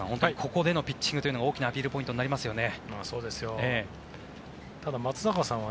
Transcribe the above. ここでのピッチングは大きなアピールポイントになりますね。